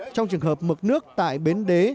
trong trường hợp mực nước tại bến đế